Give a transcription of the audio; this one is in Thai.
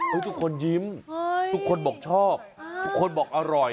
ทุกคนยิ้มทุกคนบอกชอบทุกคนบอกอร่อย